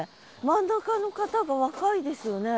真ん中の方が若いですよね。